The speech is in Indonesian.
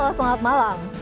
halo selamat malam